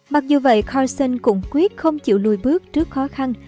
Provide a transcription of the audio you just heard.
mặc dù vậy constan cũng quyết không chịu lùi bước trước khó khăn